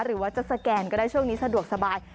หรือว่าจะสแกนก็ได้ช่วงนี้สะดวกสบาย